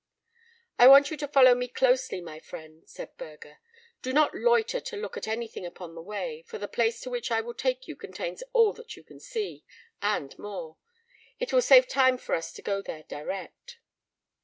"I want you to follow me closely, my friend," said Burger. "Do not loiter to look at anything upon the way, for the place to which I will take you contains all that you can see, and more. It will save time for us to go there direct."